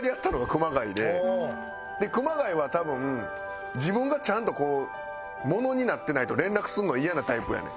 熊谷は多分自分がちゃんと物になってないと連絡するのイヤなタイプやねん。